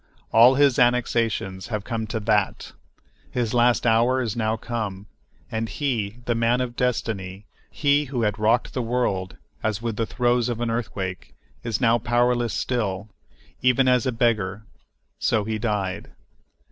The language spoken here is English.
All his annexations have come to that! His last hour is now come, and he, the man of destiny, he who had rocked the world as with the throes of an earthquake, is now powerless, still—even as a beggar, so he died.